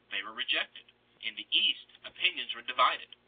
they were rejected, in the East opinions were divided.